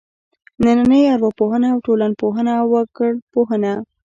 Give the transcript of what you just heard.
نننۍ ارواپوهنه او ټولنپوهنه او وګړپوهنه.